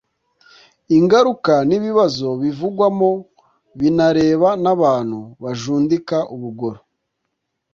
ingaruka n ibibazo bivugwamo binareba n abantu bajundika ubugoro